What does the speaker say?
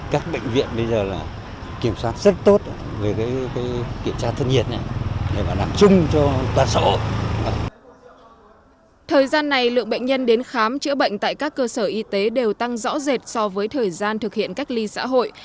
các bệnh nhân đến khám chữa bệnh tại các cơ sở y tế đều tăng rõ rệt so với thời gian thực hiện cách ly xã hội